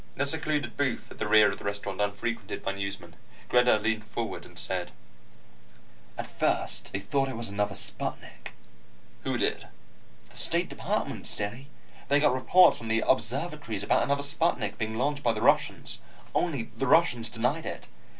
In a secluded booth at the rear of a restaurant unfrequented by newsmen, Greta leaned forward and said: "At first, they thought it was another sputnik." "Who did?" "The State Department, silly. They got reports from the observatories about another sputnik being launched by the Russians. Only the Russians denied it.